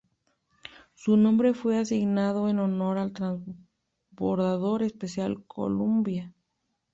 Su nombre fue asignado en honor al transbordador espacial Columbia.